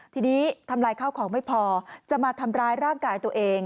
ทีนี้ทำลายข้าวของไม่พอจะมาทำร้ายร่างกายตัวเอง